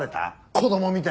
子供みたいに。